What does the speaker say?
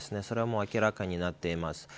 それはもう明らかになっています。